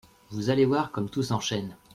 Vous allez voir comme tout s’enchaîne !